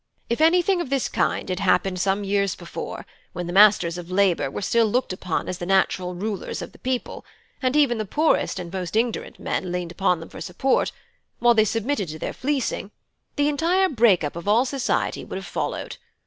If anything of this kind had happened some years before, when the masters of labour were still looked upon as the natural rulers of the people, and even the poorest and most ignorant man leaned upon them for support, while they submitted to their fleecing, the entire break up of all society would have followed.